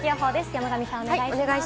山神さん、お願いします。